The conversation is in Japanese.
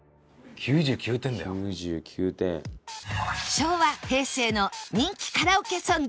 昭和・平成の人気カラオケソング